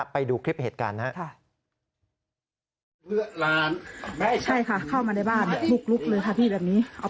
ไปดูคลิปเหตุการณ์นะครับ